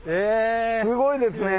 すごいですね。